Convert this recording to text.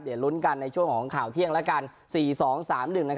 เดี๋ยวลุ้นกันในช่วงของข่าวเที่ยงแล้วกัน๔๒๓๑